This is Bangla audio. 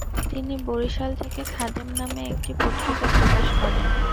তিনি বরিশাল থেকে খাদেম নামে একটি পত্রিকা প্রকাশ করেন।